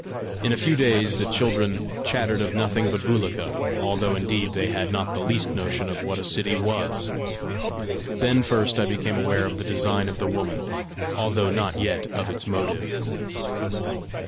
In a few days the children chattered of nothing but Bulika, although indeed they had not the least notion of what a city was. Then first I became aware of the design of the woman, although not yet of its motive.